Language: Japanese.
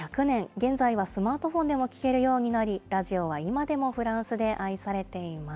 現在はスマートフォンでも聞けるようになり、ラジオは今でもフランスで愛されています。